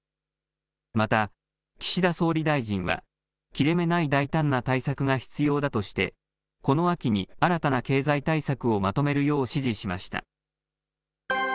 また、岸田総理大臣は切れ目ない大胆な対策が必要だとして、この秋に、新たな経済対策をまとめるよう指示しました。